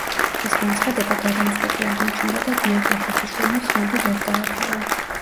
ეს განცხადება გადამწყვეტი აღმოჩნდა და გიორგი ხუციშვილმა ხმები ვერ დააგროვა.